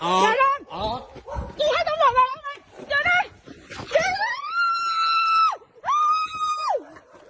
ทำไมไม่ต้องกลับมา